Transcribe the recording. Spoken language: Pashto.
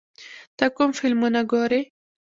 ته کوم فلمونه ګورې؟